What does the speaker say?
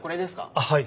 あっはい。